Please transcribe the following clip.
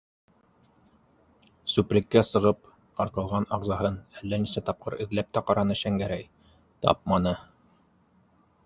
Сүплеккә сыгып, ҡырҡылған ағзаһын әллә нисә тапҡыр эҙләп тә ҡараны Шәңгәрәй - тапманы.